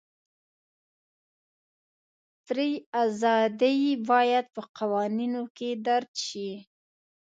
فري ازادۍ باید په قوانینو کې درج شي.